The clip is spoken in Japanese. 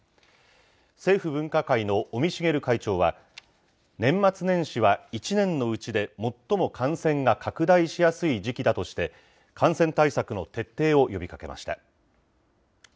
政府分科会の尾身茂会長は、年末年始は１年のうちでもっとも感染が拡大しやすい時期だとして、感染対策の徹底を呼びかけました。